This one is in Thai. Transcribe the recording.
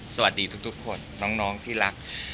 สวัสดีทุกคนน้องที่รัก